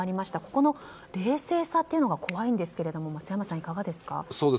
ここの冷静さというのが怖いんですが松山さん、いかがですか？